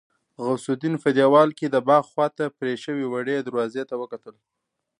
غوث الدين په دېوال کې د باغ خواته پرې شوې وړې دروازې ته وکتل.